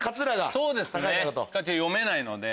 そうですね読めないので。